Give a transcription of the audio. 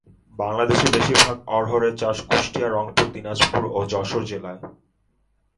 বাংলাদেশে বেশির ভাগ অড়হরের চাষ কুষ্টিয়া, রংপুর, দিনাজপুর ও যশোর জেলায়।